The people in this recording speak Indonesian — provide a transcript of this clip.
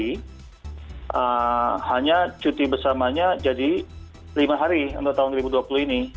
hanya cuti bersamanya jadi lima hari untuk tahun dua ribu dua puluh ini